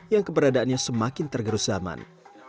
yang keberadaannya semakin tergerus zaman